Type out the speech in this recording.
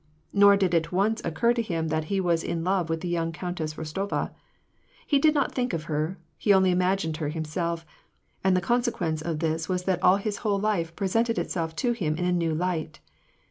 Nor did it once occur to him that he was in love with the young Countess Bostova ; he did not think of her, he only imagined her himself; and the consequence of this was that all his whole life presented itself to him in a new light.